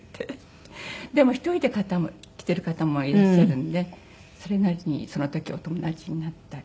でも１人で来てる方もいらっしゃるんでそれなりにその時お友達になったり。